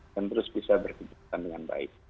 dan terus bisa berkembang dengan baik